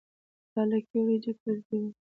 د لکۍ وریجې ګردې وي.